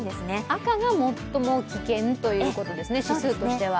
赤が最も危険ということですね、指数としては。